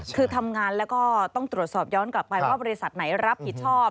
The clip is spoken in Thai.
คือทำงานแล้วก็ต้องตรวจสอบย้อนกลับไปว่าบริษัทไหนรับผิดชอบ